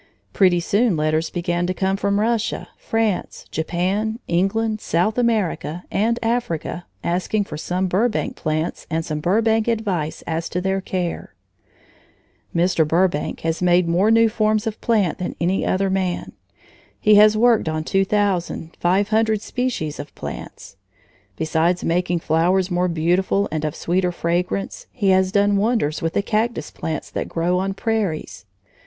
Pretty soon letters began to come from Russia, France, Japan, England, South America, and Africa, asking for some Burbank plants and some Burbank advice as to their care. Mr. Burbank has made more new forms of plant life than any other man. He has worked on two thousand, five hundred species of plants. Besides making flowers more beautiful and of sweeter fragrance, he has done wonders with the cactus plants that grow on prairies.